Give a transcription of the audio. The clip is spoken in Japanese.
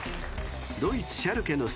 ［ドイツ］